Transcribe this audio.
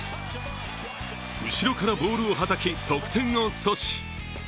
後ろからボールをはたき、得点を阻止。